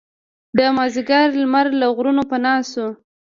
د مازدیګر لمر له غرونو پناه شو.